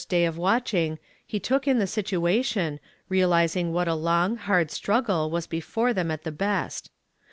day of watching, he took in the situation, realizing wliat a long , liurd struggle was before them at the best.